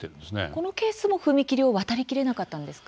このケースも踏切を渡りきれなかったんですか。